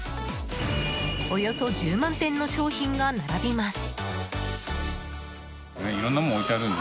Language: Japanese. およそ１０万点の商品が並びます。